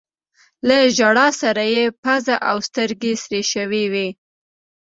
له ژړا سره يې پزه او سترګې سرې شوي وې.